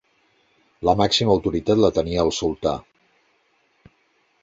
La màxima autoritat la tenia el sultà.